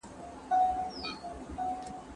د جرګي غړو به د خلکو د سوکالۍ لپاره کار کاوه.